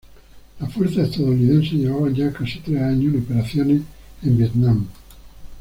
Las fuerzas estadounidenses llevaban ya casi tres años en operaciones en Vietnam.